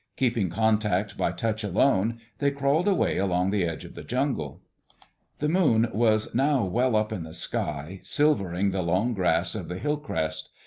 Keeping contact by touch alone, they crawled away along the edge of the jungle. The moon was now well up in the sky, silvering the long grass of the hill crest.